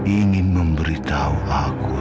ingin memberitahu aku